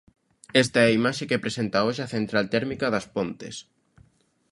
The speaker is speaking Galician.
Esta é a imaxe que presenta hoxe a central térmica das Pontes.